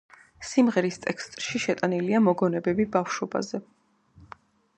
სიმღერის ტექსტში შეტანილია მოგონებები ბავშვობაზე.